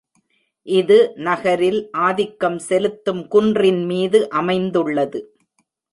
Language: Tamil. இது நகரில் ஆதிக்கம் செலுத்தும் குன்றின் மீது அமைந்துள்ளது.